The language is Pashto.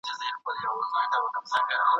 استاد شاګرد ته د کار طرز ور وښود.